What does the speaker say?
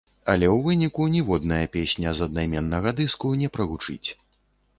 Але ў выніку ніводная песня з аднайменнага дыску не прагучыць.